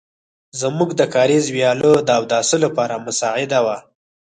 زموږ د کاریز وياله د اوداسه لپاره مساعده وه.